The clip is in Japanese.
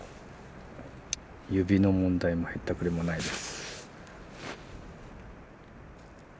指の問題もへったくれもないです。